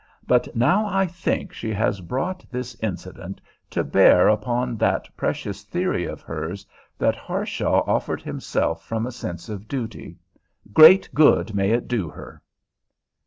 But now I think she has brought this incident to bear upon that precious theory of hers, that Harshaw offered himself from a sense of duty. Great good may it do her!